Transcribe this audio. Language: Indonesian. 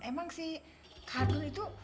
emang si khadun itu